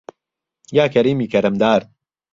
یا کهریمی کهرهمدار